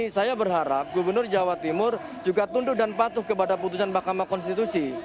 saya berharap gubernur jawa timur juga tunduk dan patuh kepada putusan mahkamah konstitusi